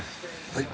はい。